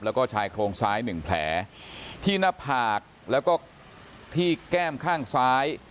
แล้วก็ชายโครงซ้ายหนึ่งแผลที่หน้าผากแล้วก็ที่แก้มข้างซ้าย